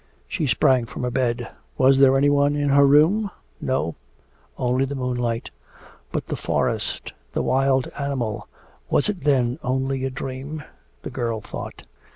She sprang from her bed. Was there any one in her room? No, only the moonlight. 'But the forest, the wild animal was it then only a dream?' the girl thought.